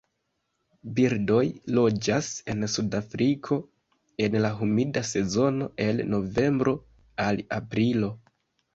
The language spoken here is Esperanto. Birdoj loĝas en Sudafriko en la humida sezono el novembro al aprilo.